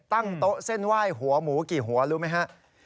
ตั้งโต๊ะเส้นไหว้หัวหมูกี่หัวรู้ไหมฮะ